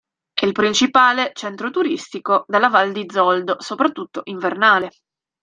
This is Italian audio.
È il principale centro turistico della Val di Zoldo, soprattutto invernale.